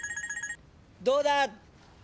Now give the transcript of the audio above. どうだ？